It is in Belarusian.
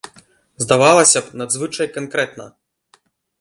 Здавалася б, надзвычай канкрэтна.